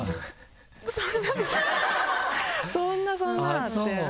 そんなそんなそんなっていう。